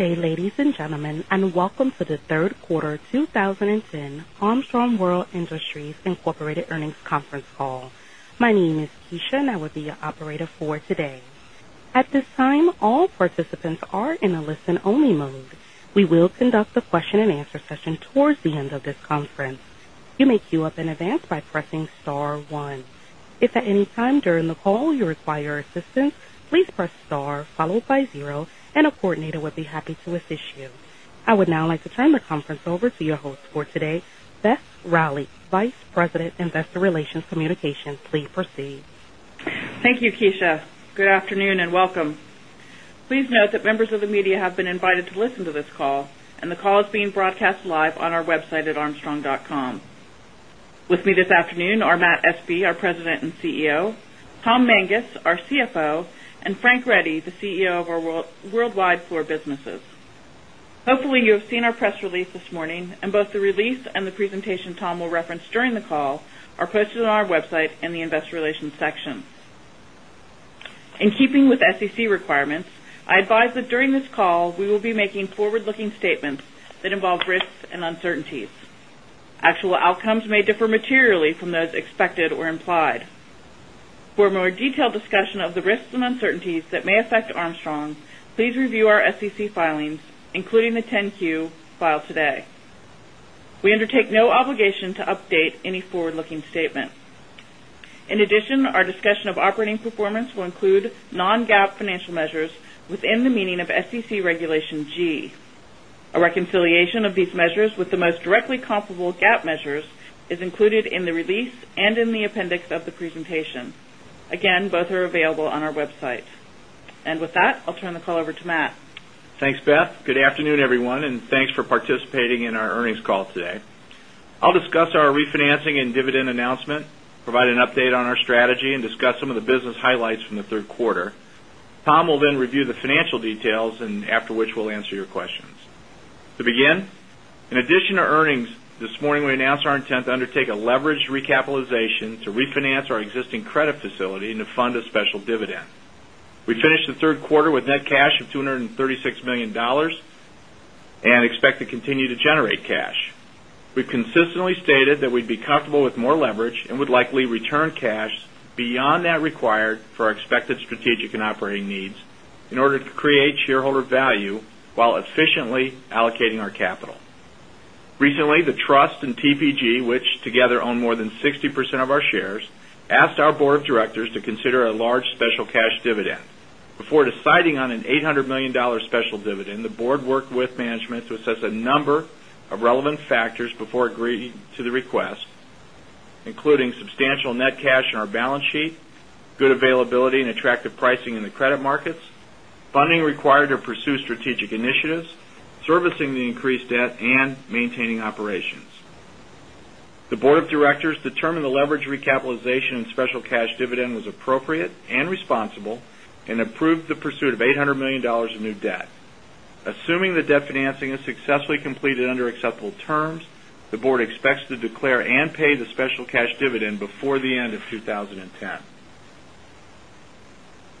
Good day, ladies and gentlemen, and welcome to the Third Quarter twenty ten Armstrong World Industries Incorporated Earnings Conference Call. My name is Keesha, and I will be your operator for today. At this time, all participants are in a listen only mode. We will conduct a question and answer session towards the end of this conference. Pressing star one. I would now like to turn the conference over to your host for today, Beth Riley, Vice President, Investor Relations Communications. Please proceed. Thank you, Keisha. Good afternoon and welcome. Please note that members of the media have been invited to listen to this call and the call is being broadcast live on our website at armstrong.com. With me this afternoon are Matt Espie, our President and CEO Tom Mangus, our CFO and Frank Reddy, the CEO of our worldwide floor businesses. Hopefully, you have our press release this morning and both the release and the presentation Tom will reference during the call are posted on our website in the Investor Relations section. In keeping with SEC requirements, I advise that during this call, we will be making forward looking statements that involve risks and uncertainties. Actual outcomes may differ materially from those expected or implied. For a more detailed discussion of the risks and uncertainties that may affect Armstrong, please review our SEC filings, including the 10 Q filed today. We undertake no obligation to update any forward looking statement. In addition, our discussion of operating performance will include non GAAP financial measures within the meaning of SEC Regulation G. A reconciliation of these measures with the most directly comparable GAAP measures is included in the release and in the appendix of the presentation. Again, both are available on our website. And with that, I'll turn the call over to Matt. Thanks, Beth. Good afternoon, everyone, and thanks for participating in our earnings call today. I'll discuss our refinancing and dividend announcement, provide an update on our strategy and discuss some of the business highlights from the third quarter. Tom will then review the financial details and after which we'll answer your questions. To begin, in addition to earnings, this morning we announced our intent to undertake a leveraged recapitalization to refinance our existing credit facility and to fund a special dividend. We finished the third quarter with net cash of $236,000,000 and expect to continue to generate cash. We've consistently stated that we'd be comfortable with more leverage and would likely return cash beyond that required for our expected strategic and operating needs in order to create shareholder value, while efficiently allocating our capital. Recently, the Trust and TPG, which together own more than 60% of our shares, asked our Board of Directors to consider a large special cash dividend. Before deciding on an $800,000,000 special dividend, the Board worked with management to assess a number of relevant factors before agreeing to the request, including substantial net cash on our balance sheet, good availability and attractive pricing in the credit markets, funding required to pursue strategic initiatives, servicing the increased debt and maintaining operations. The Board of Directors determined the leverage recapitalization and special cash dividend was appropriate and responsible and approved the pursuit of $800,000,000 of new debt. Assuming the debt financing is successfully completed under acceptable terms, the Board expects to declare and pay the special cash dividend before the end of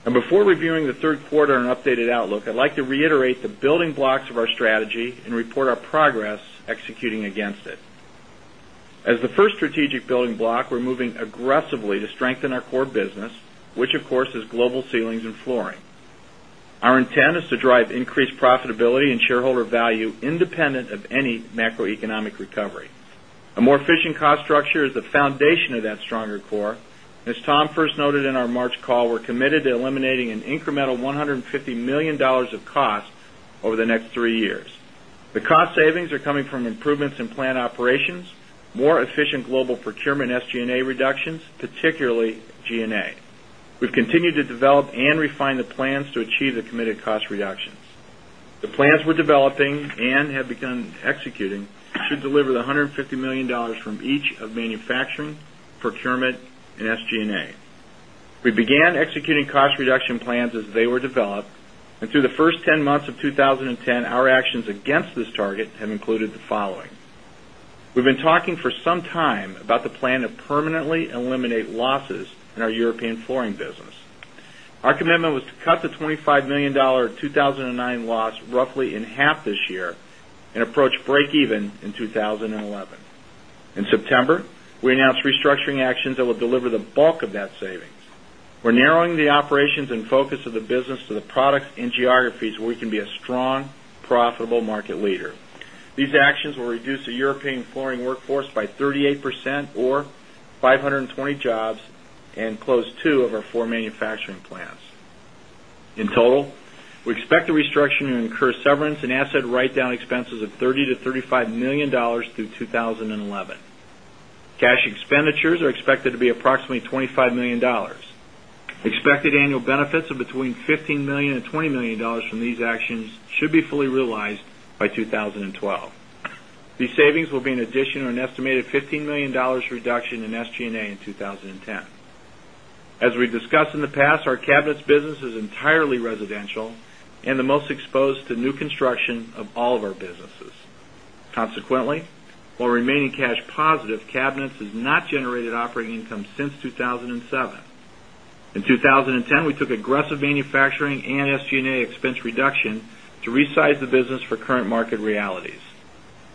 twenty ten. And before reviewing the third quarter and updated outlook, I'd like to reiterate the building blocks of our strategy and report our progress executing against it. As the first strategic building block, we're moving aggressively to strengthen our core business, which of course is Global Ceilings and Flooring. Our intent is to drive increased profitability and shareholder value independent of any macroeconomic recovery. A more efficient cost structure is the foundation of that stronger core. As Tom first noted in our March call, we're committed to eliminating an incremental $150,000,000 of cost over the next three years. The cost savings are coming from improvements in plant operations, more efficient global procurement SG and A reductions, particularly G and A. We've continued to develop and refine the plans to achieve the committed cost reductions. The plans we're developing and have begun executing should deliver the $150,000,000 from each of manufacturing, procurement and SG and A. We began executing cost reduction plans as they were developed. And through the first ten months of 2010, our actions against this target have included the following. We've been talking for some time about the plan to permanently eliminate losses in our European Flooring business. Our commitment approach breakeven in 2011. In September, we announced restructuring actions that will deliver the bulk of that savings. We're narrowing the operations and focus of the business to the products and geographies where we can products and geographies where we can be a strong profitable market leader. These actions will reduce the European flooring workforce by 38% or five twenty jobs and close two of our four manufacturing plants. In total, we expect the restructuring and incur severance and asset write down expenses of $30,000,000 to $35,000,000 through 2011. Cash expenditures are expected to be approximately 25,000,000 Expected annual benefits of between $15,000,000 and $20,000,000 from these actions should be fully realized by 2012. These savings will be in addition to an estimated $15,000,000 reduction in SG and A in 2010. As we've discussed in the past, our Cabinets business is entirely residential and the most exposed to new construction of all of our businesses. Consequently, while remaining cash positive, Cabinets has not generated operating income since 02/2007. In 2010, we took aggressive manufacturing and SG and A expense reduction to resize the business for current market realities.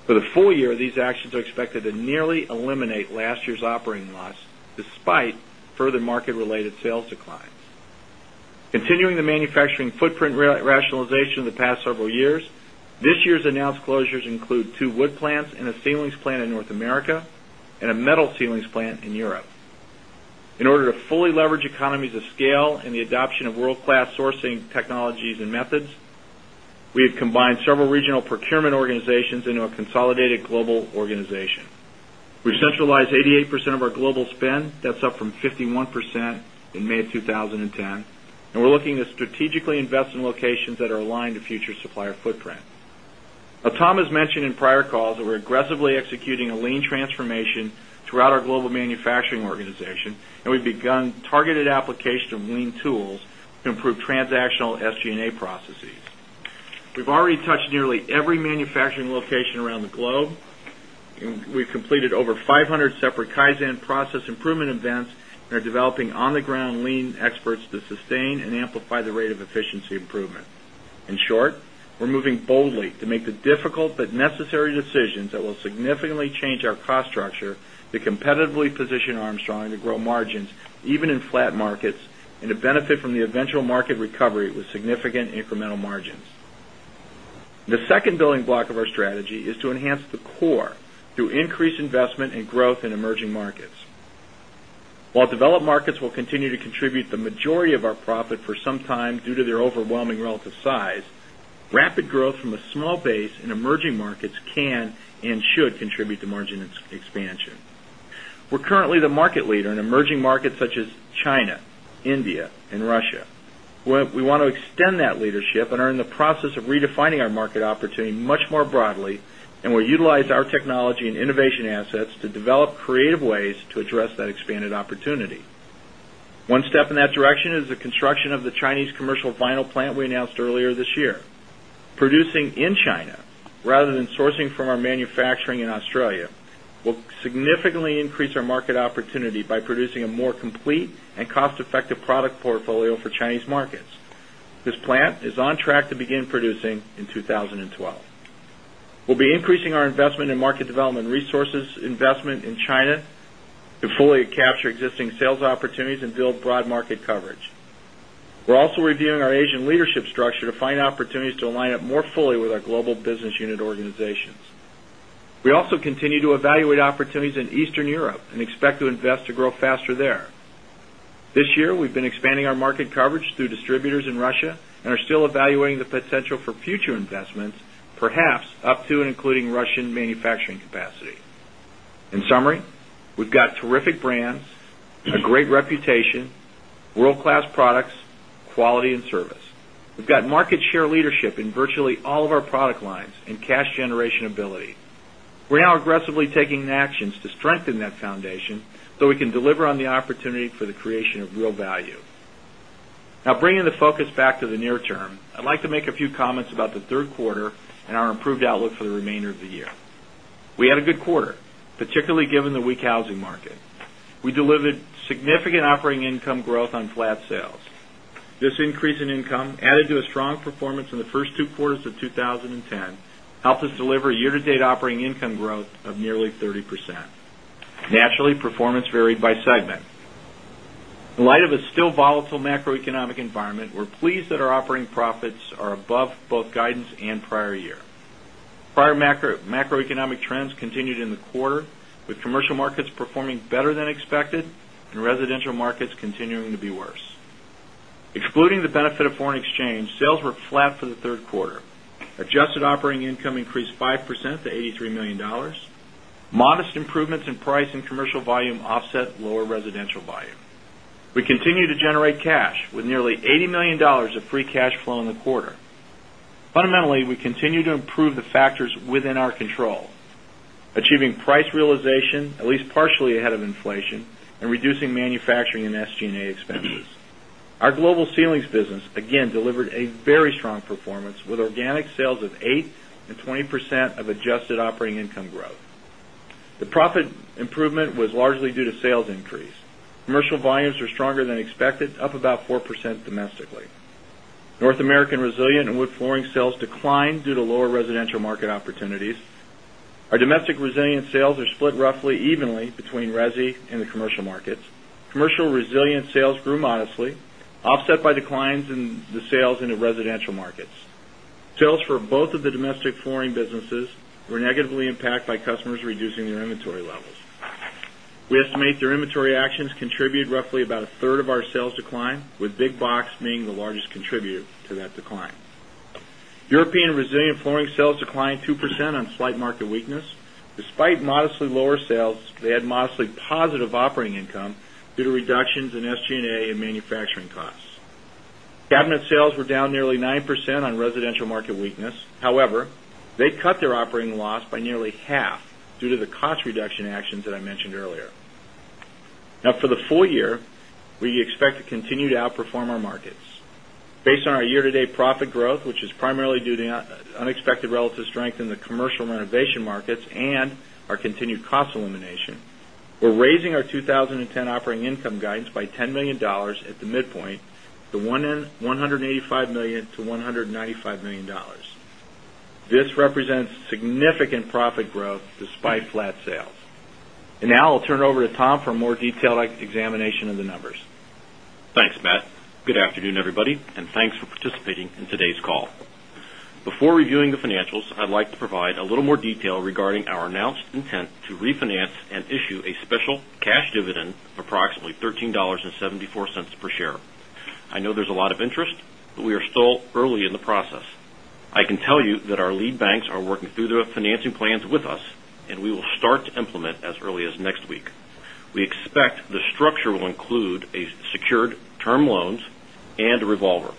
For the full year, these actions are expected to nearly eliminate last year's operating loss despite further market sales declines. Continuing the manufacturing footprint rationalization of the past several years, this year's announced closures include two wood plants and a ceilings plant in North America and a metal ceilings plant in Europe. In order to fully leverage economies of scale and the adoption of world class sourcing technologies and methods, we have combined several regional procurement organizations into a consolidated global organization. We've centralized 88% of our global spend, that's up from 51 in May 2010. And we're looking to strategically invest in locations that are aligned to future supplier footprint. Tom has mentioned in prior calls that we're aggressively executing a lean transformation throughout our global manufacturing organization and we've begun targeted application of lean tools to improve transactional SG and A processes. We've already touched nearly every manufacturing location around the globe. We've completed over 500 separate Kaizen process improvement events and are developing on the ground lean experts to sustain and amplify the rate of efficiency improvement. In short, we're moving boldly to make the difficult but necessary decisions that will significantly change our cost structure to competitively position Armstrong to grow margins even in flat markets and to benefit from the eventual market recovery with significant incremental margins. The second building block of our strategy is to enhance the core through increased investment and growth in emerging markets. While developed markets will continue to contribute the majority of our profit some time due to their overwhelming relative size, rapid growth from a small base in emerging markets can and should contribute to margin expansion. We're currently the market leader in emerging markets such as China, India and Russia. We want to extend that leadership and are in the process of redefining our market opportunity much more broadly and will utilize our technology and innovation assets to develop creative ways to address that expanded opportunity. One step in that direction is the construction of the Chinese commercial vinyl plant we announced earlier this year. Producing in China rather than sourcing from our manufacturing in Australia will significantly increase our market opportunity by producing a more complete and cost effective product portfolio for Chinese markets. This plant is on track to begin producing in 2012. We'll be increasing our investment in market development resources, capture existing sales opportunities and build broad market coverage. We're also reviewing our Asian leadership structure to find opportunities to align up more fully with our global business unit organizations. We also continue to evaluate opportunities in Eastern Europe and expect to invest to grow faster there. This year, we've been expanding our market coverage through distributors in Russia and are still evaluating the potential for future investments, perhaps up to and including Russian manufacturing capacity. In summary, we've got terrific brands, a great reputation, world class products, quality and service. We've got market share leadership in virtually all of our product lines and cash generation ability. We're now aggressively taking actions to strengthen that foundation, so we can deliver on the opportunity for the creation of real value. Now bringing the focus back to the near term, I'd like to make a few comments about the third quarter and our improved outlook for the remainder of the year. We had a good quarter, particularly given the weak housing market. We delivered significant operating income growth on flat sales. This increase in income to a strong performance in the first two quarters of twenty ten helped us deliver year to date operating income growth of nearly 30%. Naturally, performance varied by segment. In light of a still volatile macroeconomic environment, we're pleased that our operating profits are above both guidance and prior year. Prior macroeconomic trends continued in the quarter with commercial markets performing better than expected and residential markets continuing to be worse. Excluding the improvements in price and commercial volume offset lower residential volume. We continue to generate cash with nearly $80,000,000 of free cash flow in the quarter. Fundamentally, we continue to improve the factors within our control, achieving price realization, at least partially ahead of inflation and reducing manufacturing and SG and A expenses. Our Global Ceilings business again delivered a very strong performance with organic sales of 820% of adjusted operating income growth. The profit improvement was largely due to sales increase. Commercial volumes are stronger than expected, up about 4% domestically. North American resilient and wood flooring sales declined due to lower residential market opportunities. Our domestic resilient sales are split roughly evenly between resi and the commercial markets. Commercial resilient sales grew modestly, offset by declines in the sales in the residential markets. Sales for both of the domestic flooring businesses were negatively impacted by customers reducing their inventory levels. We estimate their inventory actions contribute roughly about a third of our sales decline with big box being the largest contributor to that decline. European resilient flooring sales declined 2% on slight market weakness. Despite modestly lower sales, they had modestly positive operating income due to reductions in SG and A and manufacturing costs. Cabinet sales were down nearly 9% on residential market weakness. However, they cut their operating loss by nearly half due to the cost reduction actions that I mentioned earlier. Now for the full year, we expect to continue to outperform our markets. Based on our year to date profit growth, which is primarily due to unexpected relative strength in the commercial renovation markets and our continued cost elimination, we're raising our 2010 operating income guidance by $10,000,000 at the midpoint to $185,000,000 to $195,000,000 This represents significant profit growth despite flat sales. And now I'll turn it over to Tom for a more detailed examination of the numbers. Thanks, Matt. Good afternoon, everybody, and thanks for participating in today's call. Before reviewing the financials, I'd like to provide a little more detail regarding our announced intent to refinance and issue a special cash dividend of approximately $13.74 per share. I know there's a lot of interest, but we are still early in the process. I can tell you that our lead banks are working through the financing plans with us and we will start to implement as early as next week. We expect the structure will include a secured term loans and a revolver.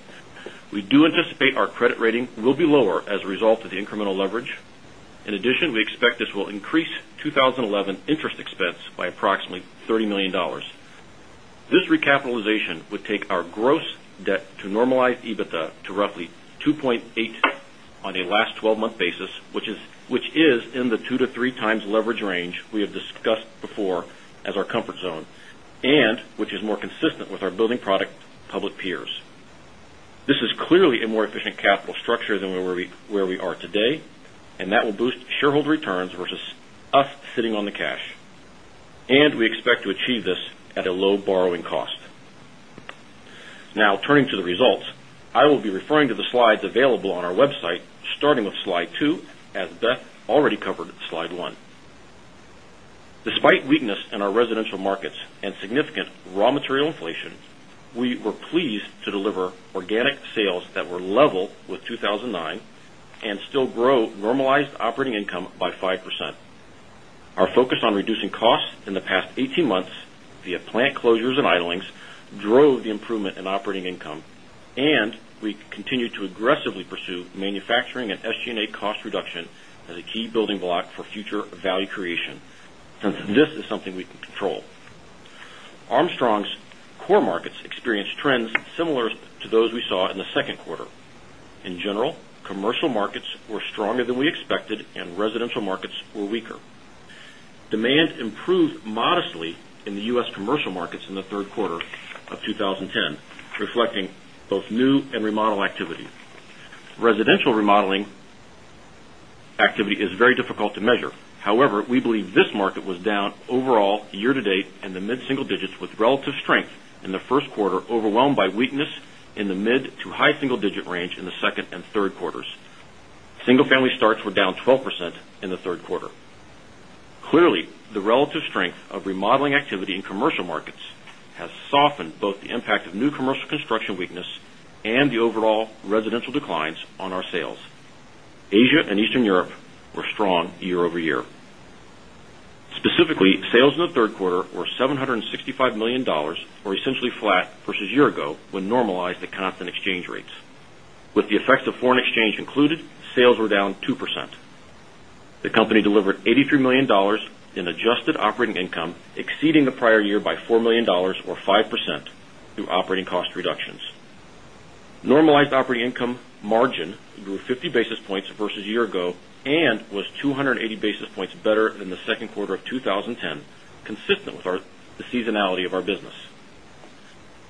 We do anticipate our credit rating will be lower as a result of the incremental leverage. In addition, we expect this will increase twenty eleven interest expense by approximately $30,000,000 This recapitalization would take our gross debt to normalize EBITDA to roughly 2.8 on a last twelve month basis, which is in the two to three times leverage range we have discussed before as our comfort zone and which is more consistent with our building product public peers. This is clearly a more efficient capital structure than where we are available on our website starting with Slide two as Beth already covered Slide one. Despite weakness in our residential markets and significant raw material inflation, we were pleased to deliver organic sales that were level with 02/2009 and still grow normalized operating income by 5%. Our focus on reducing costs in the past eighteen months via plant closures and idlings drove the improvement in operating income and we continue to aggressively pursue manufacturing and SG and A cost reduction as a key building block for future value creation since this is something we can control. Armstrong's core markets experienced trends similar to those we saw in the second quarter. In general, commercial markets were stronger than we expected and residential markets were weaker. Demand improved modestly in The U. S. Commercial markets in the third quarter of twenty ten, reflecting both new and remodel activity. Residential remodeling activity is very difficult to measure. However, we believe this market was down overall year to date in the mid single digits with relative strength in the first quarter overwhelmed by by weakness in the mid to high single digit range in the second and third quarters. Single family starts were down 12 in the third quarter. Clearly, the relative strength of remodeling activity in commercial markets has softened both of new commercial construction weakness and the overall residential declines on our sales. Asia and Eastern Europe were strong year over year. Specifically, sales in the third quarter were $765,000,000 or essentially flat versus year ago when normalized at constant exchange rates. With the effects of foreign exchange included, sales were down 2%. The company delivered $83,000,000 in adjusted operating income exceeding the prior year by $4,000,000 or 5% through operating cost reductions. Normalized operating income margin grew 50 basis points versus a year ago and was two eighty basis points better than the second quarter of twenty ten the seasonality of our business.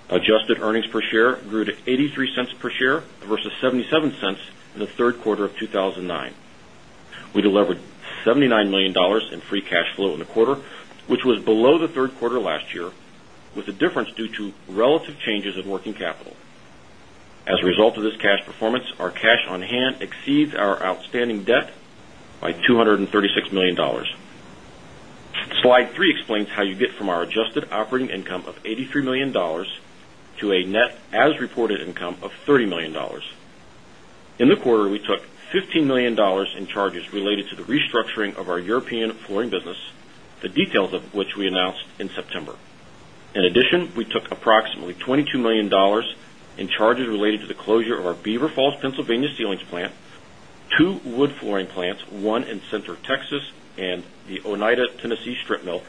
Adjusted earnings per share grew to $0.83 per share versus $0.77 in the February. We delivered $79,000,000 in free cash flow in the quarter, which was below the third quarter last year with a difference due to relative changes of working capital. As a result of this cash performance, our cash on hand exceeds our outstanding debt by $236,000,000 Slide three explains how you get from our adjusted operating income of $83,000,000 to a net as reported income of $30,000,000 In the quarter, we took $15,000,000 in charges related to the restructuring of our European flooring business, the details of which we announced in September. In addition, we took approximately $22,000,000 in charges related to the closure of our Beaver Falls, Pennsylvania ceilings plant, two wood flooring plants, one in Center Texas and the Oneida, Tennessee strip mill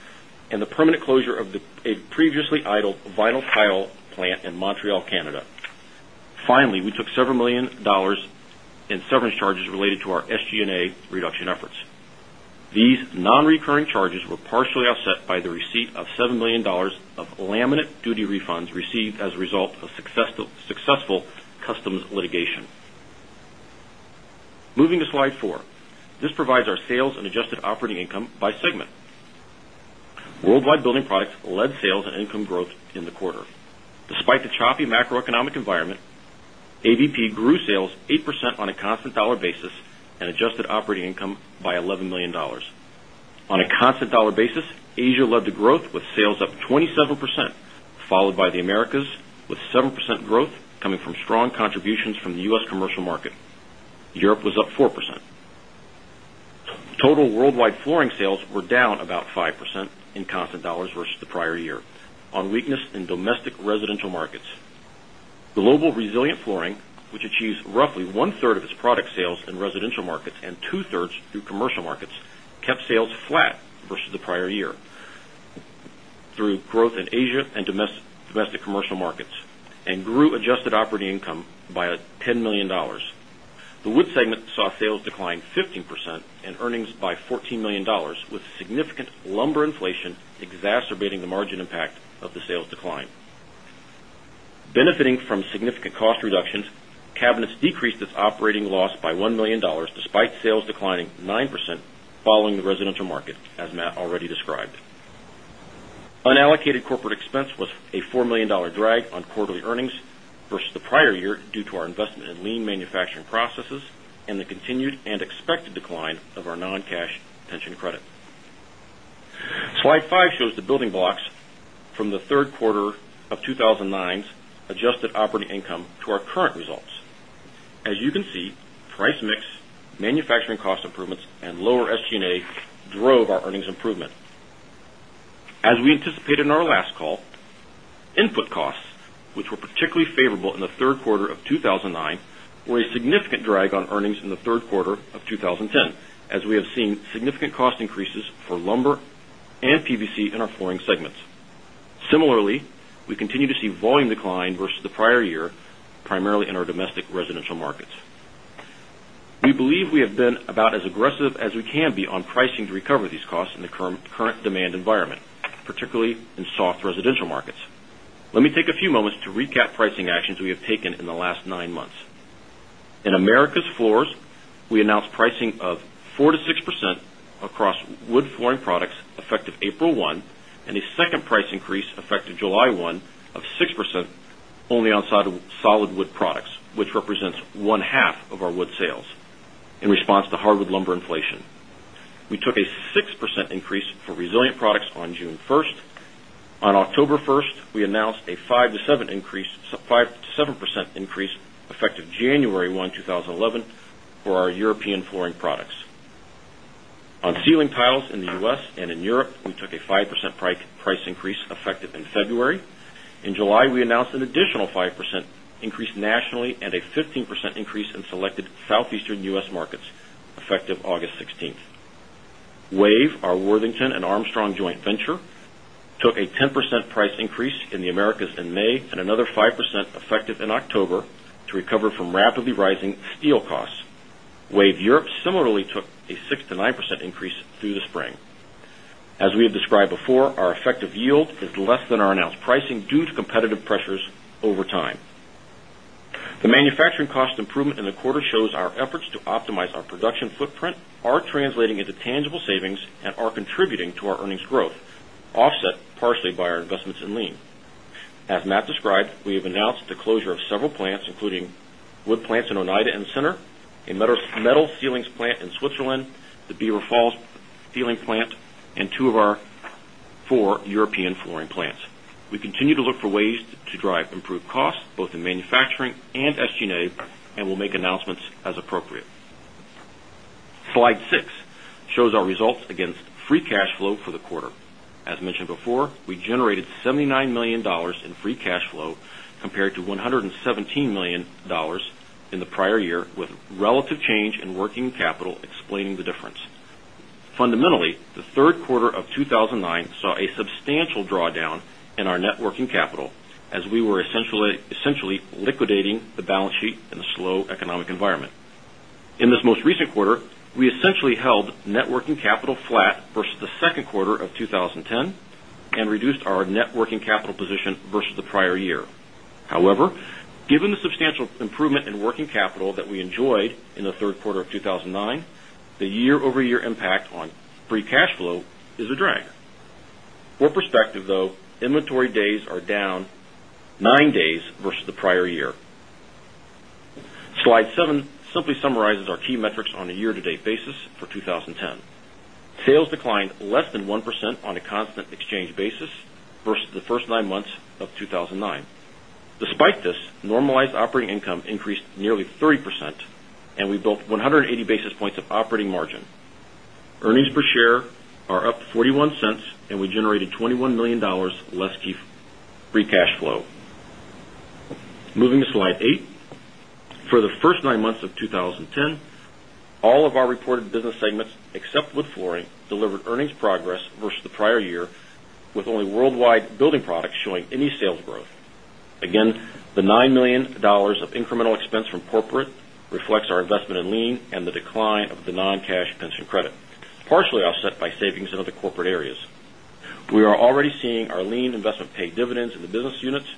and the permanent closure of a previously idled vinyl tile plant in Montreal, Canada. Finally, we took several million dollars in severance charges related to our SG and A reduction efforts. These non recurring charges were partially offset by the receipt of $7,000,000 of laminate duty refunds received as a result of successful customs litigation. Moving to slide four. This provides our sales and adjusted operating income by segment. Worldwide Building Products led sales and income growth in the quarter. Despite the choppy macroeconomic environment, ABP grew sales 8% on a constant dollar basis and adjusted operating income by $11,000,000 On a constant dollar basis, Asia led to growth with sales up 27% followed by The Americas with 7% growth coming from strong contributions from The U. S. Commercial market. Europe was up 4%. Total worldwide flooring sales were down about 5% in constant dollars versus the prior year on weakness in domestic residential markets. Global Resilient Flooring, which achieved roughly one third of its product sales in residential markets and two thirds through commercial markets, kept sales flat versus the prior year through growth in Asia and domestic commercial markets and grew adjusted operating income by $10,000,000 The Wood segment saw sales decline 15% and earnings by $14,000,000 with significant lumber inflation exacerbating the margin impact of the sales decline. Benefiting from significant cost reductions, Cabinets decreased its operating loss by 1,000,000 despite sales declining 9% following the residential market as Matt already described. Unallocated corporate expense was a $4,000,000 drag on quarterly earnings versus the prior year due to our investment in lean manufacturing processes and the continued and expected decline of our non cash pension credit. Five shows the building blocks from the February adjusted operating income to our current results. As you can see, pricemix, manufacturing cost improvements and lower SG and A drove our earnings improvement. As we anticipated in our last call, input costs, which were particularly favorable in the February, were a significant drag on earnings in the third quarter of twenty ten as we have seen significant cost increases for lumber and PVC in our flooring segments. Similarly, we continue to see volume decline versus the prior year, primarily in our domestic residential markets. We believe we have been about as aggressive as we can be on pricing to recover these costs in the current demand environment, particularly in soft residential markets. Let me take a few moments to recap pricing actions we have taken in the last nine months. In Americas Floors, we announced pricing of 4% to 6% across wood flooring products effective April 1 and a second price increase effective July 1 of 6% only on solid wood products, which represents one half of our wood sales in response to hardwood lumber inflation. We took a 6% increase for resilient products on June 1. On October 1, we announced a 5% to 7% increase effective 01/01/2011 for our European flooring products. On ceiling tiles in The U. S. And in Europe, we took a 5% price increase effective in February. In July, we announced an additional 5% increase nationally and a 15% increase in selected Southeastern U. S. Markets effective August 16. WAVE, our Worthington and Armstrong joint venture, took a 10% price increase in The Americas in May and another five percent effective in October to recover from rapidly rising steel costs. WAVE Europe similarly took a 6% to 9% increase through the spring. As we have described before, our effective yield is less than our less than our announced pricing due to competitive pressures over time. The manufacturing cost improvement in the quarter shows our efforts to optimize our production footprint are translating into tangible savings and are contributing to our earnings growth, offset partially by our investments in lean. As Matt described, we have announced the closure of several plants, including wood plants in Oneida and Center, a metal ceilings plant in Switzerland, the Beevre Falls ceiling plant and two of our European flooring plants. We continue to look for ways to drive improved costs both in manufacturing and SG and A and we'll make announcements as appropriate. Slide six shows our results against free cash flow for the quarter. As mentioned before, we generated $79,000,000 in free cash flow compared to $117,000,000 in the prior year with relative change in working capital explaining the difference. Fundamentally, the February saw a substantial drawdown Fundamentally, the February saw a substantial drawdown in our net working capital as we were essentially liquidating the balance sheet in a slow economic environment. In this most recent quarter, enjoyed in the February, the year over year impact on free cash flow is a drag. For perspective though, inventory days are down nine days versus the prior year. Slide seven simply summarizes our key metrics on a year to date basis for 2010. Sales declined less than 1% on a constant exchange basis versus the first nine months of two thousand and nine. Despite this, normalized operating income increased nearly 30% and we built 180 basis points of operating margin. Earnings per share are up $0.41 and we generated $21,000,000 less free cash flow. Moving to Slide eight. For the first nine months of twenty ten, all of our reported business segments except with flooring delivered earnings progress versus the prior year with only worldwide building products showing any sales growth. Again, the $9,000,000 of incremental expense from corporate reflects our investment in lien and the decline of the non cash pension credit, partially offset by savings in other corporate areas. We are already seeing our lien investment pay dividends in the business units and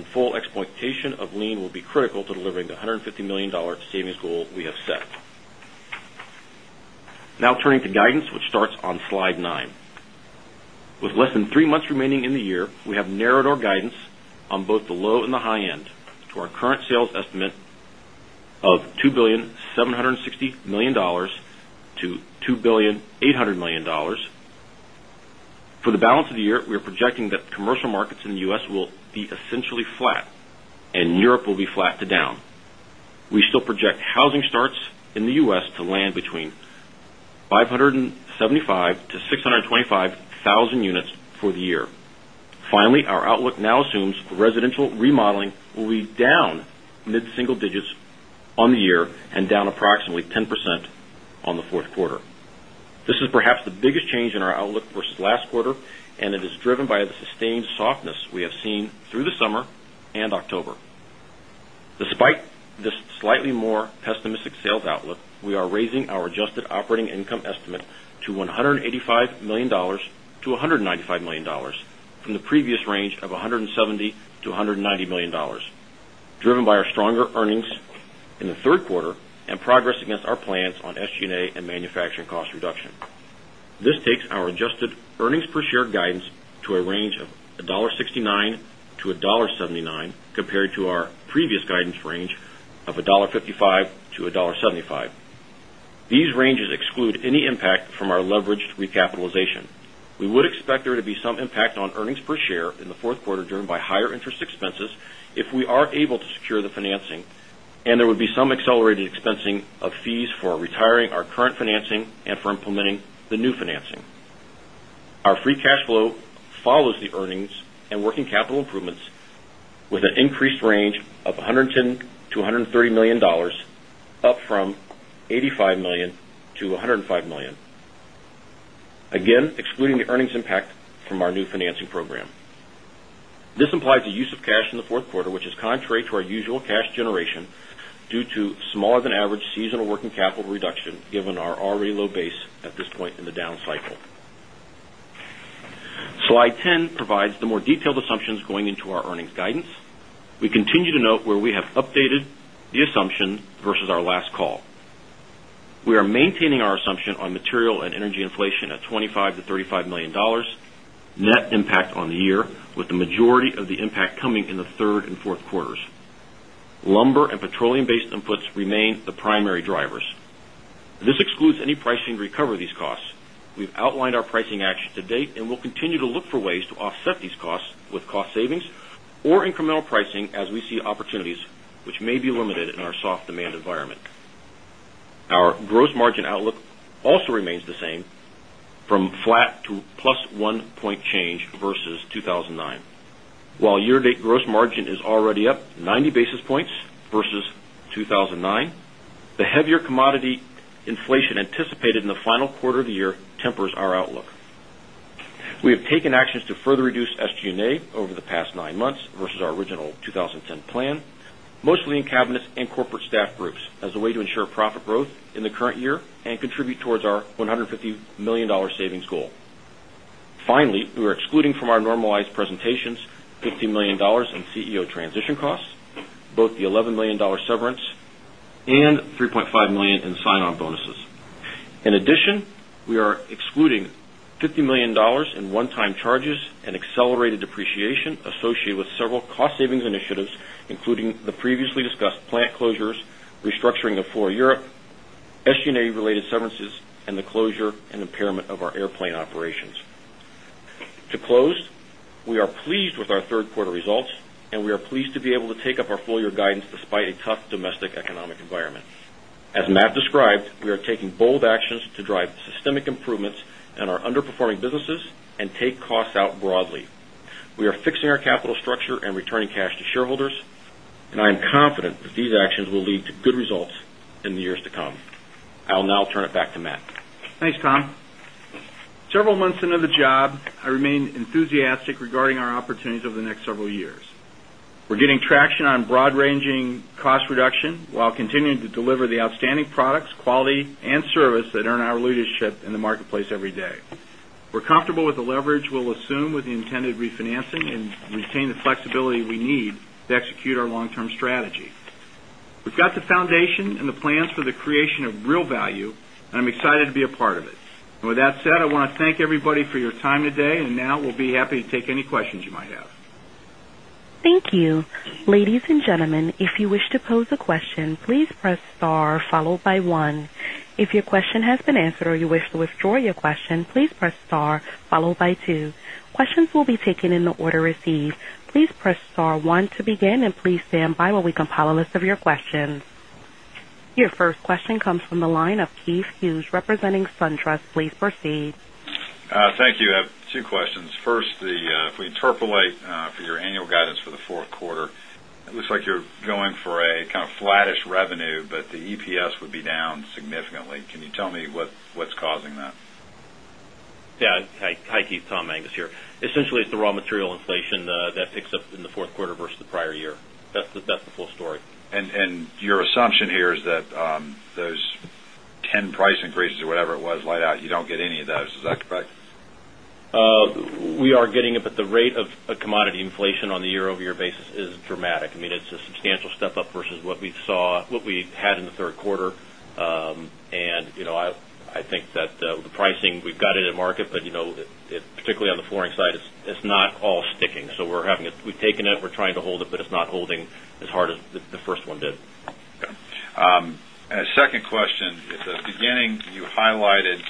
full exploitation of lien will be critical hundred and $50,000,000 savings goal we have set. Now turning to guidance, which starts on Slide nine. With less than three months remaining in the year, we have narrowed our guidance on both the low and the high end to our current sales estimate of $760,002,000 to $800,002,000 For the balance of the year, we are projecting that commercial markets in The U. S. Will be essentially flat and Europe will be flat to down. We still project housing starts in The U. S. To land between 575,000 to 625,000 units for the year. Finally, our outlook now assumes residential remodeling will be down mid single digits on the year and down approximately 10% on the fourth quarter. This is perhaps the biggest change in our outlook versus last quarter and it is driven by softness we have seen through the summer and October. Despite this slightly more pessimistic sales outlook, we are raising our adjusted operating income estimate to $185,000,000 to $195,000,000 from the previous range of hundred and $70,000,000 to $190,000,000 driven by our stronger earnings in the third quarter and progress against our plans on SG and A and manufacturing cost reduction. This takes our adjusted earnings per share guidance to a range of $1.69 to $1.79 compared to our previous guidance range of $1.55 to $1.75 These ranges exclude any impact from our leveraged recapitalization. We would expect there to be some impact on earnings per share in the fourth quarter driven by higher interest expenses if we are able to secure the financing and there would be some accelerated expensing of fees for retiring our current financing and for implementing the new financing. Our free cash flow follows the earnings and working capital improvements with an increased range of $110,000,000 to $130,000,000 up from $85,000,000 to $105,000,000 again excluding the earnings impact from our new financing program. This implies the use of cash in the fourth quarter, which is contrary to our usual cash generation due to smaller than average seasonal working capital reduction given our already low base at this point in the down cycle. Slide 10 provides the more detailed assumptions going into our earnings guidance. We continue to note where we have updated the assumption versus our last call. We are maintaining our assumption on material and energy inflation at $25,000,000 to $35,000,000 net impact on the year with the majority of the impact coming in the third and fourth quarters. Lumber and petroleum based inputs remain the primary drivers. This excludes any pricing to recover these costs. We've outlined our pricing actions to date and we'll continue to look for ways to offset these costs with cost savings or incremental pricing as we see opportunities, which may be limited in our soft demand environment. Our gross margin outlook also remains the same from flat to plus one point change versus 02/2009. While year to date gross margin is already up 90 basis points versus 02/2009, the heavier commodity inflation anticipated in the final quarter of the year tempers our outlook. We have taken actions to further reduce SG and A over the past nine months versus our original 2010 plan, mostly in cabinets and corporate staff groups as a way to ensure profit growth in the current year and contribute towards our $150,000,000 savings goal. Finally, we are excluding from our normalized presentations $15,000,000 in CEO transition costs, both the $11,000,000 severance and $3,500,000 in sign on bonuses. In addition, we are excluding $50,000,000 in onetime charges and accelerated depreciation associated with several cost savings initiatives, including the previously discussed plant closures, restructuring of four Europe, SG and A related severances and the closure and impairment of our airplane operations. To close, we are pleased with our third quarter results and we are pleased to be able to take up our full year guidance despite a tough domestic economic environment. As Matt described, we are taking bold actions to drive systemic improvements in our underperforming businesses and take costs out broadly. We are fixing our capital structure and returning cash to shareholders, and I am confident that these actions will lead to good results in the years to come. I'll now turn it back to Matt. Thanks, Tom. Several months into the job, I remain enthusiastic regarding our opportunities over the next several years. We're getting traction on broad ranging cost reduction, while continuing to deliver the outstanding products, quality and service that earn our leadership in the marketplace every day. We're comfortable with the leverage we'll assume with the intended refinancing and retain the flexibility we need to execute our long term strategy. We've got the foundation and the plans for the creation of real value and I'm excited to be a part of it. And with that said, I want to thank everybody for your time today and now we'll be happy to take any questions you might have. Thank Your first question comes from the line of Keith Hughes representing SunTrust. Please proceed. Thank you. I have two questions. First, if we interpolate for your annual guidance for the fourth quarter, it looks like you're going for a kind of flattish revenue, but the EPS would be down significantly. Can you tell me what's causing that? Yes. Hi, Keith. Tom Angus here. Essentially, it's the raw material inflation that picks up in the fourth quarter versus the prior year. That's the full story. And your assumption here is that those 10 price increases or whatever it was laid out, you don't get any of those. Is that correct? We are getting it, but the rate of commodity inflation on the year over year basis is dramatic. I mean, it's a substantial step up versus what we saw what we had in the third quarter. And I think that the pricing, we've got it in market, but particularly on the flooring side, it's not all sticking. So we're having it we've taken it, we're trying to hold it, but it's not holding as hard as the first one did. Okay. And a second question, at the beginning, you highlighted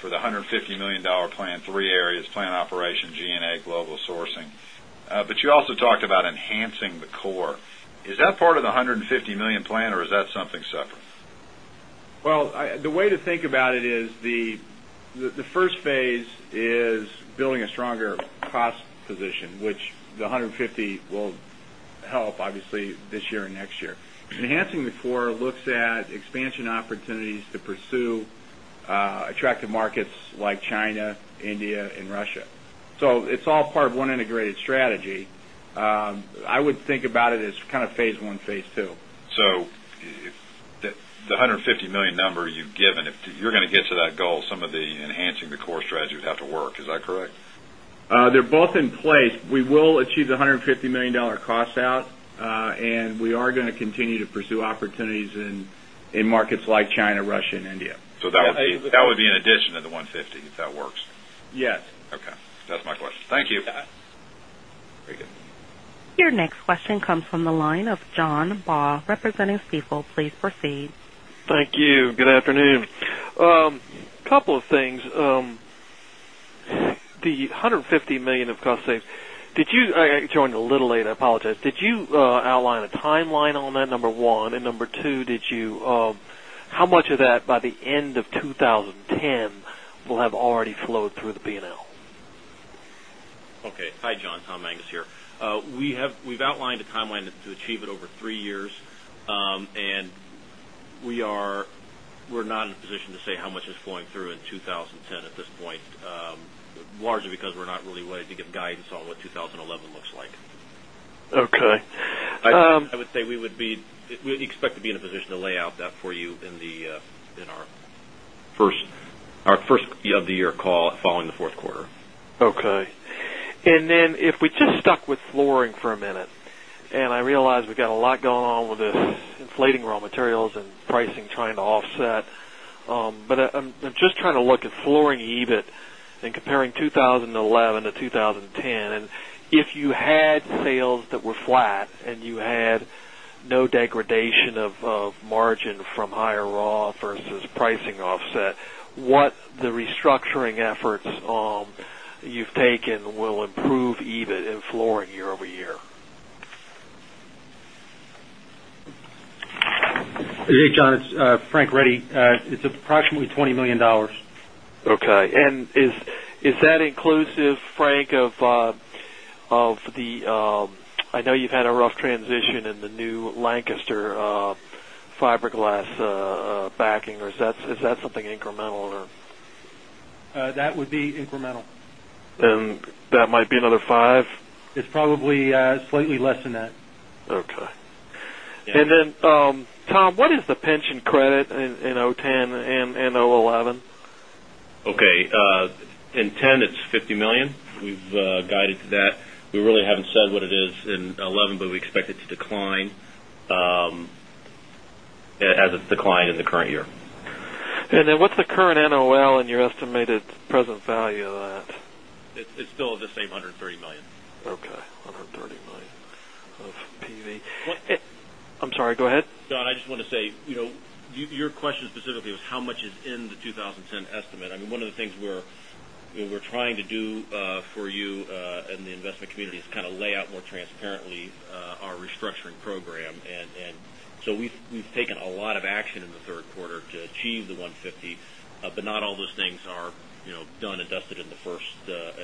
for the $150,000,000 plan, three areas, plan operation, G and A, global sourcing. But you also talked about enhancing the core. Is that part of the $150,000,000 plan or is that something separate? Well, the way to think about it is the first phase is building a stronger cost position, which the $150,000,000 will help obviously this year and next year. Enhancing the core looks at expansion opportunities to pursue attractive markets like China, India and Russia. So it's all part of one integrated strategy. I would think about it as kind of Phase one, Phase two. So the $150,000,000 number you've given, if you're going get to that goal, some of the enhancing the core strategy would have to work. Is that correct? They're both in place. We will achieve the $150,000,000 cost out. And we are going to continue to pursue opportunities in markets like China, Russia and India. So that would be an addition of the 150 if that works? Yes. Okay. That's my question. Thank you. Your next question comes from the line of John Baugh, representing Stifel. Please proceed. Thank you. Good afternoon. Couple of things. The $150,000,000 of cost saves, did you I joined a little late, I apologize. Did you outline a timeline on that number one? And number two, did you how much of that by the end of twenty ten will have already flowed through the P And L? Okay. Hi, John. Tom Angus here. We have we've outlined a timeline to achieve it over three years. And we are not in a position to say how much is flowing through in 2010 at this point largely because we're not really ready to give guidance on what 2011 looks like. Okay. I would say we would be we expect to be in a position to layout that for you in our first of the year call following the fourth quarter. Okay. And then if we just stuck with flooring for a minute and I realize we've got a lot going on with this inflating raw materials and pricing trying to offset. But I'm just trying to look at flooring EBIT and comparing 2011 to 2010. And if you had sales that were flat and you had no degradation of margin from higher raw versus pricing offset, what the restructuring efforts you've taken will improve EBIT in flooring year over year? John, it's Frank Reddy. It's approximately $20,000,000 Okay. And is that inclusive, Frank, of the I know you've had a rough transition in the new Lancaster fiberglass backing or is that something incremental or? That would be incremental. And that might be another five? It's probably slightly less than that. Okay. And then, Tom, what is the pension credit in 2010 and 2011? Okay. In 2010, it's $50,000,000 We've guided to that. We really haven't said what it is in 2011, but we expect it to decline as it's declined in the current year. And then what's the current NOL and your estimated present value of that? It's still at the same $130,000,000 Okay. $130,000,000 of PV. I'm sorry, go ahead. John, I just want to say, your question specifically was how much is in the 2010 estimate. I mean, one of the things we're trying to do for you and the investment community is kind of layout more transparently our restructuring program. And so we've taken a lot of action in the third quarter to achieve the $150,000,000 but not all those things are done and dusted in the first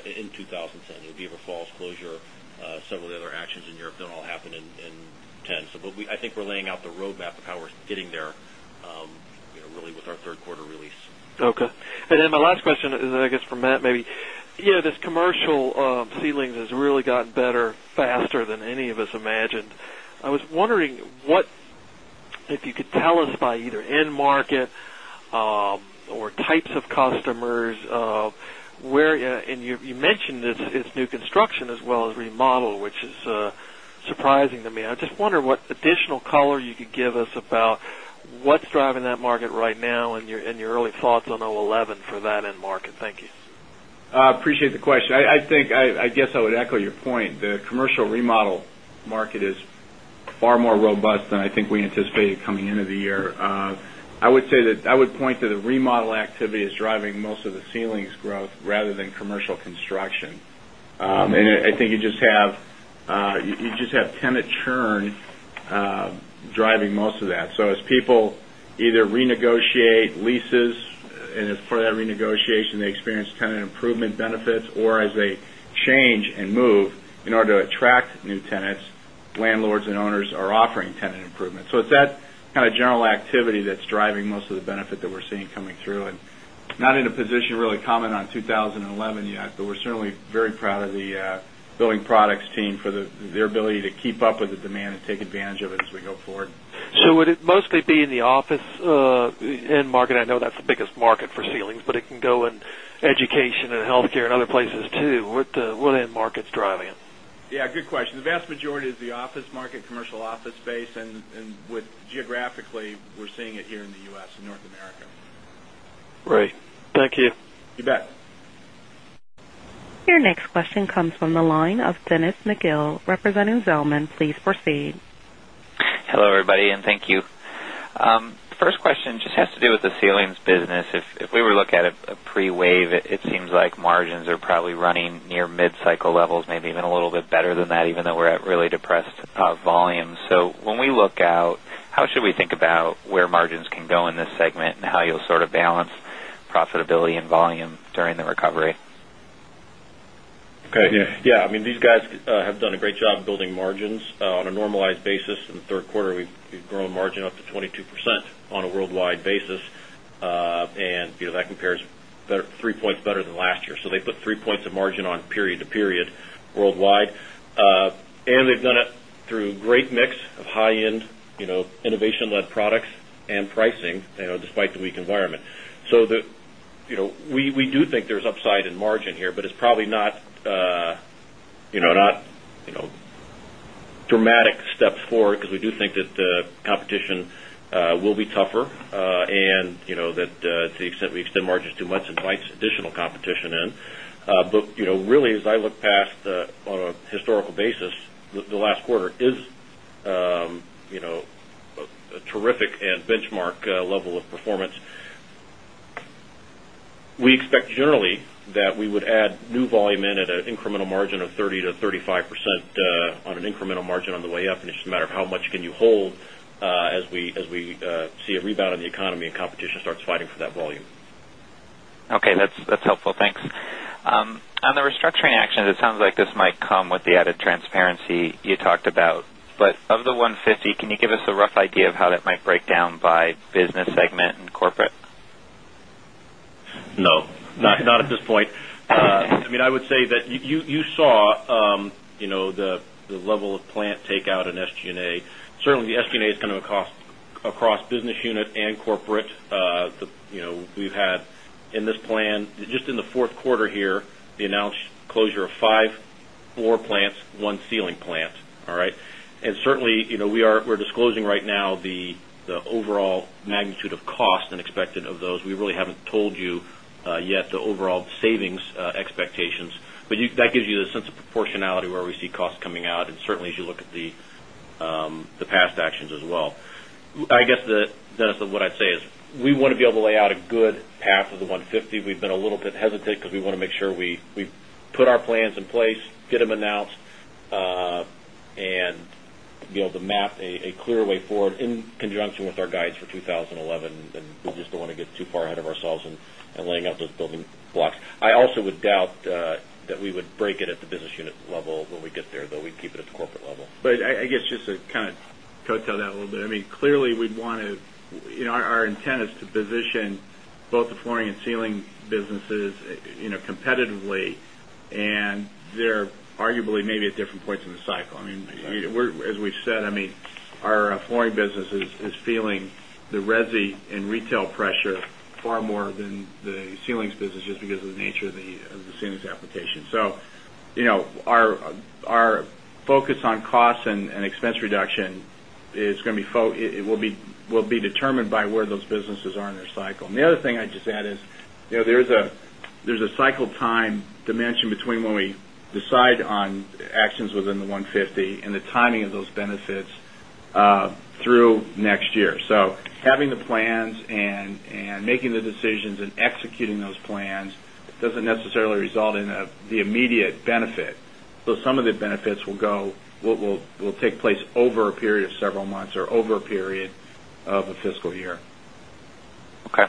in 2010. It will be over falls closure. Some of the other actions in Europe don't all happen in 2010. So, but I think we're laying out the roadmap of how we're getting there really with our third quarter release. Okay. And then my last question is I guess for Matt maybe. This commercial seedlings has really gotten better faster than any of us imagined. I was wondering what if you could tell us by either end market or types of customers? And you mentioned this new construction as well as remodel, which is surprising to me. I just wonder what additional color you could give us about what's driving that market right now and your early thoughts on 2011 for that end market? Thank you. I appreciate the question. I think I guess I would echo your point. The commercial remodel market is far more robust than I think we anticipated coming into the year. I would say that I would point to the remodel activity is driving most of the ceilings growth rather than commercial construction. And I think you just have tenant churn driving most of that. So as people either renegotiate leases and as part of that renegotiation, they experience tenant improvement benefits or as they change and move in order to attract new tenants, landlords and owners are offering tenant improvements. So attract new tenants, landlords and owners are offering tenant improvement. So it's that kind of general activity that's driving most of the benefit that we're seeing coming through. And not in a position to really comment on 2011 yet, but we're certainly very proud of the Billing Products team for their ability to keep up with the demand and take advantage of it as we go forward. So would it mostly be in the office end market? I know that's the biggest market for ceilings, but it can go in education and healthcare and other places too. What end market is driving it? Yes, good question. The vast majority is the office market, commercial office space and would geographically we're seeing it here in The U. S. And North America. Great. Thank you. You bet. Your next question comes from the line of Dennis McGill, representing Zelman. Please proceed. Hello, everybody, and thank you. First question just has to do with the ceilings business. If we were to look at it pre wave, it seems like margins are probably running near mid cycle levels, maybe even a little bit better than that even though we're at really depressed volumes. So when we look out, how should we think about where margins can go in this segment and how you'll sort of balance profitability and volume during the recovery? Okay. Yes. I mean, these guys have done a great job building margins on a normalized basis. In the third quarter, we've grown margin up to 22% on a worldwide basis. And that compares three points better than last year. So they put three points of margin on period to period worldwide. Wide. And they've done it through great mix of high end innovation led products and pricing despite the weak environment. So we do think there's upside in margin here, but it's probably not dramatic steps forward because we do think that competition will be tougher and that to the extent we extend margins two months invites additional competition in. But really as I look past on a historical basis, the last quarter is a terrific and benchmark level of performance. We expect generally that we would add new volume in at an incremental margin of 30% to 35% on an incremental margin on the way up. And it's just a matter of how much can you hold as we see a rebound in the economy and competition starts fighting for that volume. Okay. That's helpful. Thanks. On the restructuring actions, it sounds like this might come with the added transparency you talked about. But of the $150,000,000 can you give us a rough idea of how that might break down by business segment and corporate? No. Not at this point. I mean, I would say that you saw the level of plant takeout in SG and A. Certainly, the SG and A is kind of a cost across business unit and corporate. We've had in this plan. Just in the fourth quarter here, the announced closure of five, four plants, one ceiling plant, all right? And certainly, we are disclosing right now the overall magnitude of cost and expected of those. We really haven't told you yet the overall savings expectations, but that gives you the sense of proportionality where we see costs coming out and certainly as you look at the past actions as well. I guess, Dennis, what I'd say is we want to able to lay out a good path of the $150,000,000 We've been a little bit hesitant because we want to make sure we put our plans in place, get them announced and the map a clear way forward in conjunction with our guides for 2011. And we just don't want to get too far ahead of ourselves in laying out those building blocks. I also would doubt that we would break it at the business unit level when we get there, though we'd keep it at the corporate level. But I guess just to kind of curtail that a little bit. I mean, clearly, we'd want to our intent is to position both the flooring and ceiling businesses competitively. And they're arguably maybe at different points in the cycle. I mean, as we've said, I mean, our flooring business is feeling the resi and retail pressure far more than the ceilings business just because of the nature of the ceilings application. So our focus on costs and expense reduction is going to be it will be determined by where those businesses are in their cycle. And the other thing I'd just add is there's a cycle time dimension between when we decide on actions within the 150 and the timing of those benefits through next year. So having the plans and making the decisions and executing those plans doesn't necessarily result in the immediate benefit. So some of the benefits will go will take place over a period of several months or over a period of a fiscal year. Okay.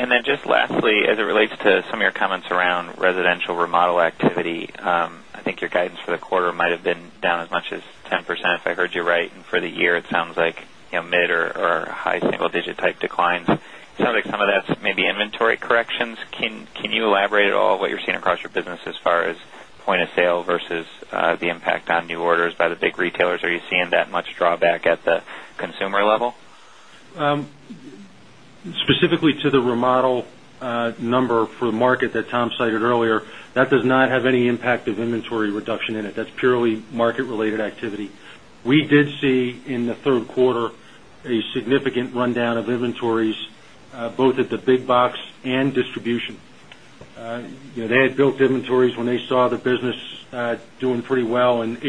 And then just lastly, as it relates to some of your comments around residential remodel activity, I think your guidance for the quarter might have been down as much as 10%, if I heard you right. And for the year, it sounds like mid or high single digit type declines. It sounds like some of that's maybe inventory corrections. Can you elaborate at all what you're seeing across your business as far as point of sale versus the impact on new orders by the big retailers? Are you seeing that much drawback at the consumer level? Specifically to the remodel number for the market that Tom cited earlier, that does not have any impact of inventory reduction in it. That's purely market related activity. We did see in the third quarter a significant rundown of inventories, both at the big box and distribution. They had built inventories when they saw the business doing pretty once the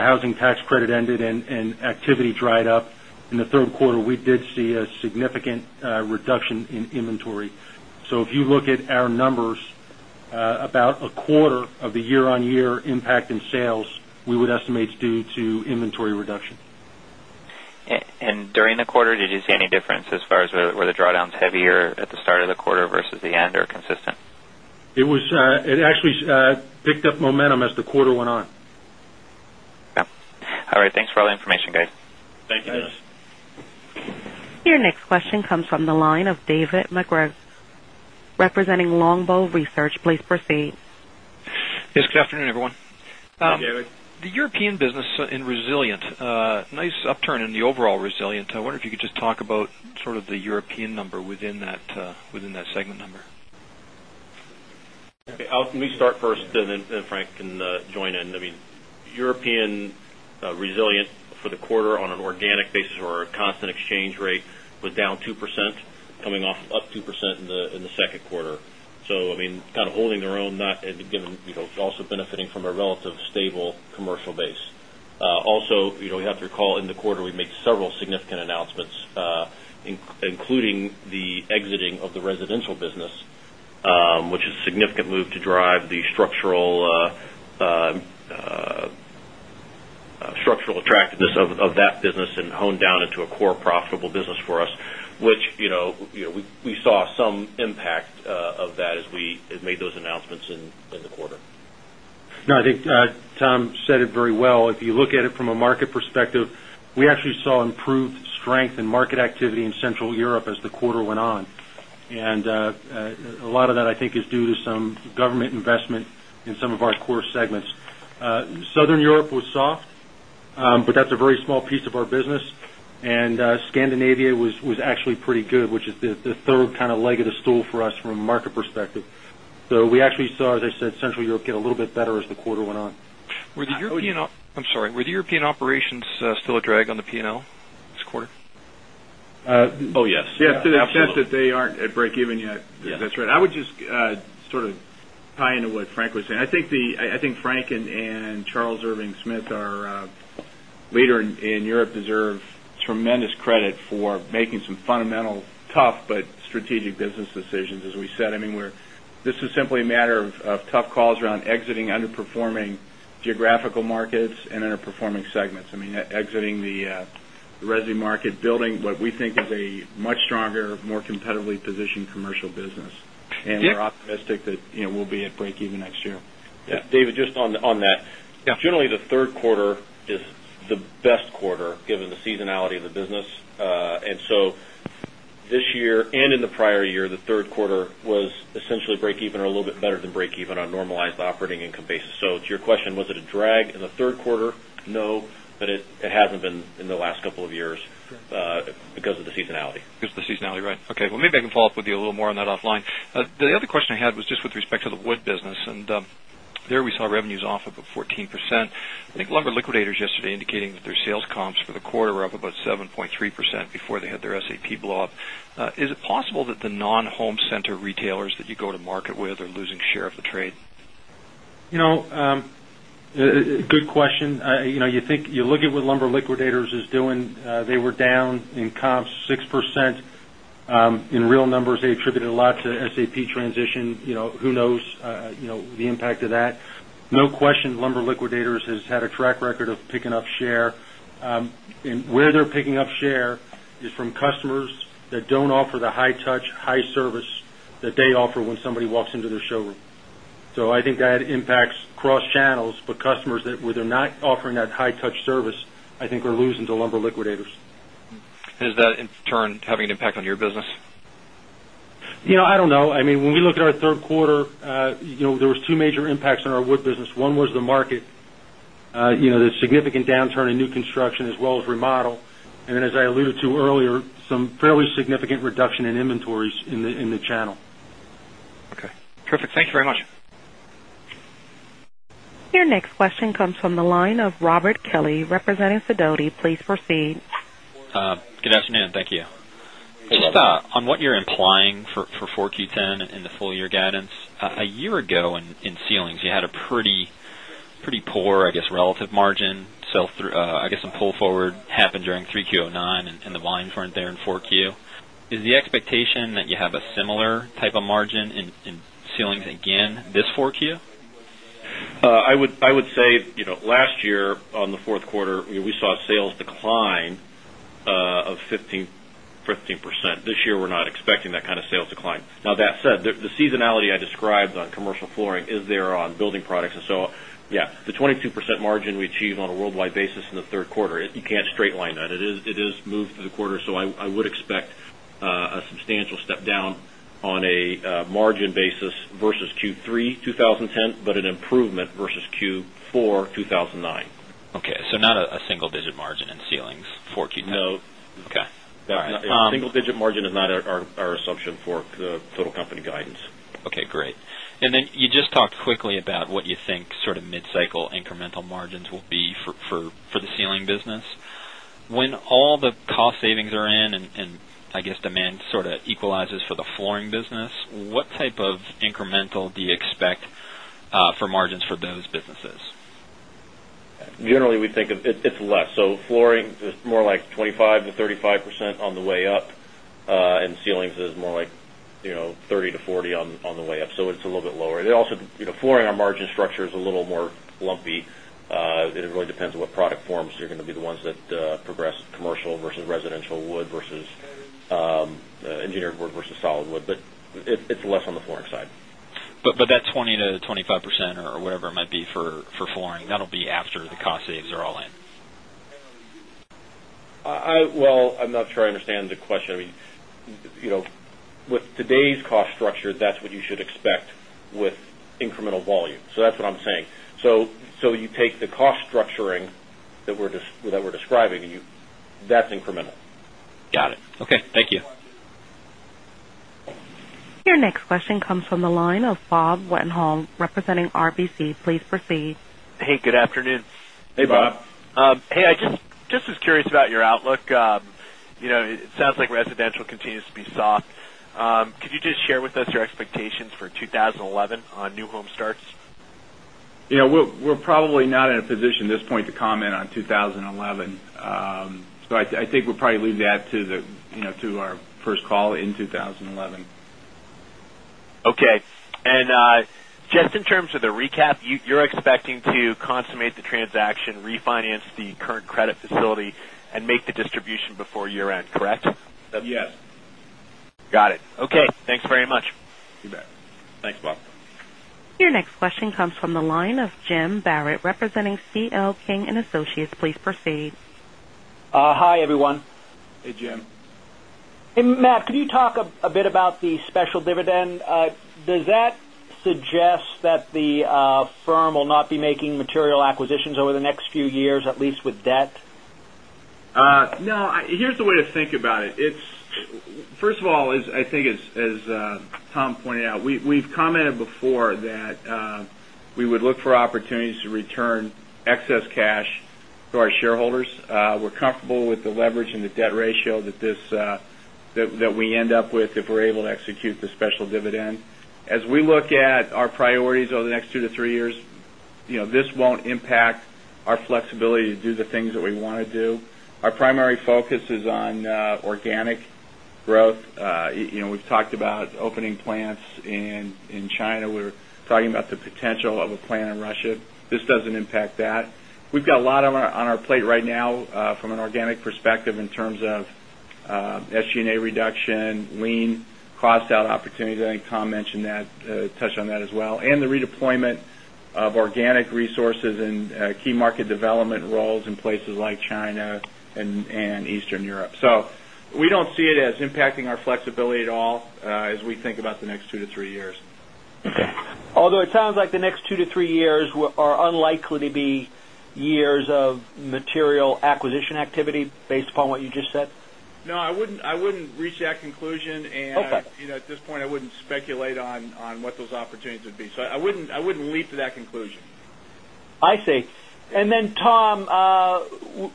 housing tax credit ended and activity dried up in the third quarter, we did see a significant reduction in inventory. So if you look at our numbers, about a quarter of the year on year impact in sales, we would estimate it's due to inventory reduction. And during the quarter, did you see any difference as far as were the drawdowns heavier at the start quarter versus the end or consistent? It was it actually picked up momentum as the quarter went on. Yes. All right. Thanks for all the information guys. Thank you, guys. Your next question comes from the line of David McGrath representing Longbow Research. Please proceed. Yes, good afternoon, everyone. Hi, David. The European business in Resilient, nice upturn in the overall Resilient. I wonder if you could just talk about sort of the European number? Okay. Al, let me start first and then Frank can join in. I mean, European resilient for the quarter on an organic basis or a constant exchange rate was down 2% coming off up 2% in the second quarter. So I mean kind of holding their own not given also benefiting from a relative stable commercial base. Also you recall in the quarter, we made several significant announcements, including the exiting of the residential business, which is a significant move to drive the structural attractiveness of that business and honed down into a core profitable business for us, which we saw some impact of that as we made those announcements in the quarter. No, I think Tom said it very well. If you look at it from a market perspective, we actually saw improved strength in market activity in Central Europe as the quarter went on. And a lot of that I think is due to some government investment in some of our core segments. Southern Europe was soft, but that's a very small piece of our business. And Scandinavia was actually pretty good, which is the third kind of leg of the stool for us from a market perspective. So we actually saw, as I said, Central Europe get a little bit better as the quarter went on. Were the European I'm sorry, were the European operations still a drag on the P and L this quarter? The sense that they aren't at breakeven yet. That's right. I would just sort of tie into what Frank was saying. I think Frank and Charles Irving Smith are leader in Europe deserve tremendous credit for making some fundamental tough but strategic business decisions as we said. I mean, we're this is simply a matter of tough calls around exiting underperforming geographical markets and underperforming resi market, building what we think is a much stronger, more competitively positioned commercial business. And we're optimistic that we'll be at breakeven next year. Yes. David, just on that. Generally, the third quarter is the best quarter given the seasonality of the business. And so this year and in the prior year, the third quarter was essentially breakeven or a little bit better than breakeven on normalized operating income basis. So to your question, was it a drag in the third quarter? No, but it hasn't been in the last couple of years because of the seasonality. Because of the seasonality, right? Okay. Well, maybe I can follow-up with you a little more on that offline. The other question I had was just with respect to the wood business. And there we saw revenues off about 14%. I think Lumber Liquidators yesterday indicating that their sales comps for the quarter were up about 7.3% before they had their SAP blow up. Is it possible that the non home center retailers that you go to market with are losing share of the trade? Good question. You think you look at what Lumber Liquidators is doing, they were down in comps 6% in real numbers. They attributed a lot to SAP transition. Who knows the impact of that? No question Lumber Liquidators has had a track record of picking up share. And where they're picking up share is from customers that don't offer the high touch, high service that they offer when somebody walks into their showroom. So I think that impacts cross channels, but customers that where they're not offering that high touch service, I think are losing to Lumber Liquidators. Is that in turn having impact on your business? I don't know. I mean, when we look at our third quarter, there was two major impacts on our wood business. One was the market, the significant downturn in new construction as well as remodel. And then as I alluded to earlier, some fairly significant reduction in inventories in the channel. Okay, perfect. Thanks very much. Your next question comes from the line of Robert Kelly, representing Sidoti. Please proceed. Good Just on what you're implying for 4Q 'ten in the full year guidance, a year ago in ceilings, you had a pretty poor, I guess, relative margin sell through I guess, some pull forward happened during 3Q 'nine and the volume front there in 4Q. Is the expectation that you have a similar type of margin in ceilings again this 4Q? I would say last year on the fourth quarter, we saw sales decline of 15%. This year, we're not expecting that kind of sales decline. Now that said, the seasonality I described on commercial flooring is there on building products. And so, yes, the 22% margin we achieved on a worldwide basis in the third quarter, you can't straight line that. It is moved through the quarter. So I would expect 10, but an improvement versus Q4 twenty nineteen. Okay. So not a single digit margin in ceilings for Q2? No. Okay. Single digit margin is not our assumption for the total company guidance. Okay, great. And then you just talked quickly about what you think sort of mid cycle incremental margins will be for the ceiling business. When all the cost savings are in and I guess demand sort of equalizes for the flooring business, what type of incremental do you expect for margins for those businesses? Generally, we think it's less. So flooring is more like 25% to 35% on the way up and ceilings is more like 30% to 40% on the way up. So it's a little bit lower. They also flooring, our margin structure is a little more lumpy. It really depends on what product forms you're going to be the ones that progress commercial versus residential wood versus engineered wood versus solid wood. But it's less on the flooring side. But that 20% to 25% or whatever it might be for flooring, that will be after the cost saves are all in? Well, I'm not sure I understand the question. I mean, with today's cost structure, that's what you should expect with incremental volume. So that's what I'm saying. So you take the cost structuring that we're describing and you that's incremental. Got it. Okay. Thank you. Your next question comes from the line of Bob representing RBC. Please proceed. Hey, good afternoon. Hey, Bob. Hey, I just was curious about your outlook. It sounds like residential continues to be soft. Could you just share with us your expectations for 2011 on new home starts? We're probably not in a position at this point to comment on 2011. So I think we'll probably leave that to our first call in 2011. Okay. And just in terms of the recap, you're expecting to consummate the transaction, refinance the current credit facility and make the distribution before year end, correct? Yes. Got it. Okay. Thanks very much. You bet. Thanks, Bob. Your next question comes from the line of Jim Barrett representing C. L. King and Associates. Please proceed. Hi, everyone. Hey, Jim. Hey, Matt, could you talk a bit about Matt, could you talk a bit about the special dividend? Does that suggest that the firm will not be making material acquisitions over the next few years at least with debt? No. Here's the way to think about it. It's first of all, I think as Tom pointed out, we've commented before that we would look for opportunities to return excess cash to our shareholders. We're comfortable with the leverage and the debt ratio that this that we end up with if we're able to execute the special dividend. As we look at our priorities over the next two to three years, this won't impact our flexibility to do the things that we want to do. Our primary focus is on organic growth. We've talked about opening plants in China. We're talking about the potential of a plant in Russia. This doesn't impact that. We've got a lot on our plate right now from an organic perspective in terms of SG and A reduction, lean, cost out opportunities, I think, Tom mentioned that touched on that as well, and the redeployment of organic resources and key market development roles in places like China and Eastern Europe. So we don't see it as impacting our flexibility at all as we think about the next two to three years. Although it sounds like the next two to three years are unlikely to be years of material acquisition activity based based upon what you just said? No, I wouldn't reach that conclusion. And at this point, I wouldn't speculate on what those opportunities would be. So I wouldn't leap to that conclusion. I see. And then Tom,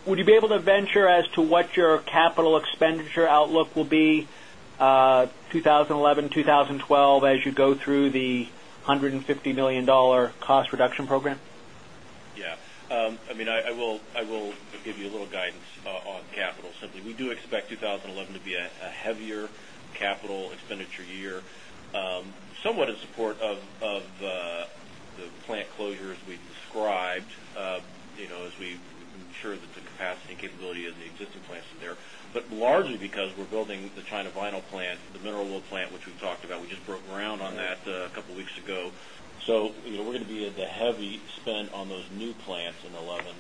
would you be able to venture as to what your capital expenditure outlook will be 2011, '20 '12 as you go through the $150,000,000 cost reduction program? Yes. I mean, I will give you a little guidance on capital. So we do expect 2011 to be a heavier capital expenditure year somewhat in support of the plant closures we described as we ensure that the capacity and and capability of the existing plants are there. But largely because we're building the China vinyl plant, the mineral wool plant, which we've talked about, we just broke ground on that a couple of weeks ago. So we're going to be at the heavy spend on those new plants in 2011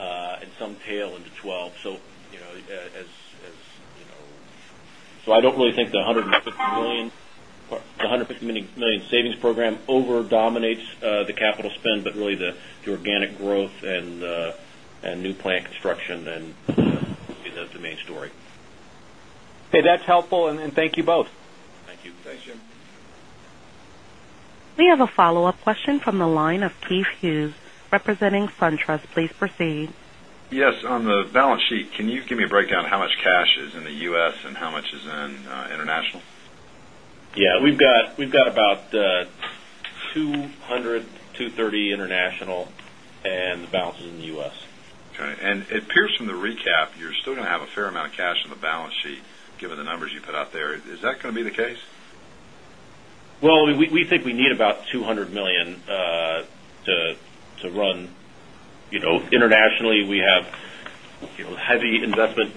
and some tail into 2012. So I don't really think the $150,000,000 savings program over dominates the capital spend, but really the organic growth and new plant construction and the main story. Okay. That's helpful. And thank you both. Thank you. Thanks, Jim. We have a follow-up question from the line of Keith Hughes representing SunTrust. Please proceed. Yes. On the balance sheet, can you give me a breakdown how much cash is in The U. S. And how much is in international? Yes. We've got about $200,000,000 2 30 million dollars international and the balance is in The U. S. Okay. And it appears from the recap, you're still going to have a fair amount of cash on the balance sheet given the numbers you put out there. Is that going to be the case? Well, we think we need about $200,000,000 to run internationally. We have heavy investment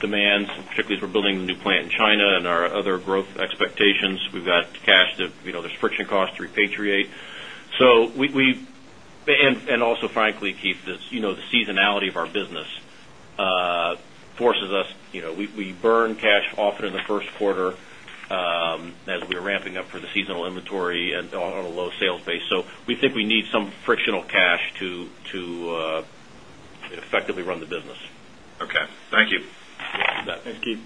demands, particularly as we're building a new plant in China and our other growth expectations. We've got cash that there's friction cost to repatriate. So we and also frankly Keith, the seasonality of our business forces us we burn cash often in the first quarter as we are ramping up for the seasonal inventory and on a low sales base. So we think we need some frictional cash to effectively run the business. Okay. Thank you. Thanks, Keith.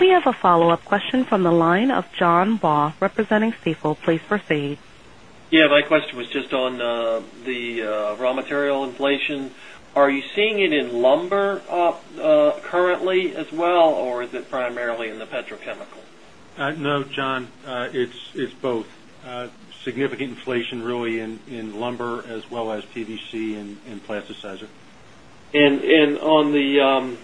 We have a follow-up question from the line of John Baugh, representing Stifel. Please proceed. Yes. My question was just on the raw material inflation. Are you seeing it in lumber currently as well or is it primarily in the petrochemical? No, John. It's both significant inflation really in lumber as well as PVC and plasticizer. And on the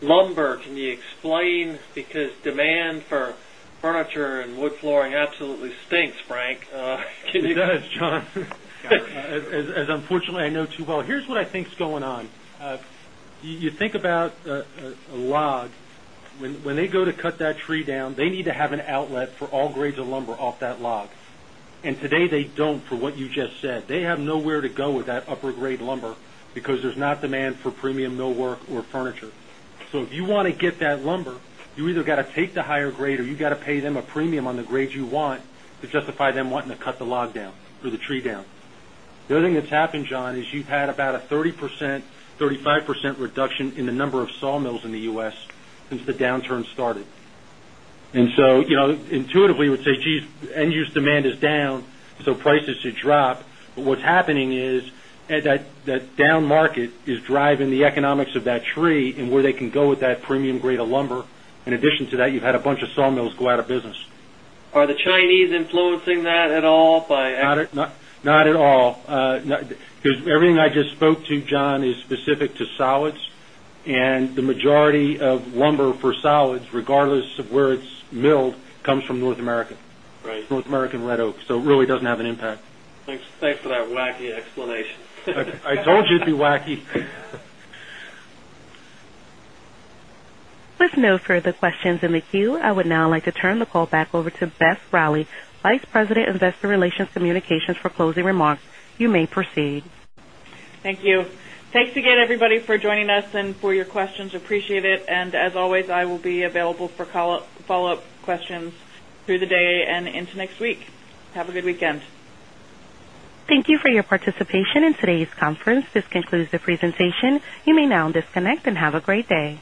lumber, can you explain because demand for furniture and wood flooring absolutely stinks, Frank. Can you Yes, John. As unfortunately, I know too well. Here's what I think is going on. You think about a log, when they go to cut that tree down, they need to have an outlet for all grades of lumber off that log. And today they don't for what you just said. They have nowhere to go with that upper grade lumber because there's not demand for premium millwork or furniture. So if you want to get that lumber, you either got to take the higher grade or you got to pay them a premium on the grade you want to justify them wanting to cut the log down or the tree down. The other thing that's happened, John, is you've had about a 30%, thirty five % reduction in the number of sawmills in The U. S. Since the downturn started. And so intuitively, we would say, geez, end use demand is down, so prices should drop. But what's happening is that down market is driving the economics of that tree and where they can go with that premium grade of lumber. Just spoke to, John, is specific to solids. And the majority of I just spoke to John is specific to solids and the majority of lumber for solids regardless of where it's milled comes from North America. Right. North American red oak. So it really doesn't have an impact. Thanks for that wacky explanation. I told you it would be wacky. With no further questions in the queue, I would now like to turn the call back over to Beth Rowley, Vice President, Investor Relations Communications for closing remarks. You may proceed. Thank you. Thanks again everybody for joining us and for your questions. Appreciate it. And as always, I will be available for follow-up questions through the day and into next week. Have a good weekend. Thank you for your participation in today's conference. This concludes the presentation. You may now disconnect and have a great day.